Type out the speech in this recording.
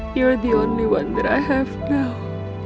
kamu adalah yang terakhir yang aku miliki sekarang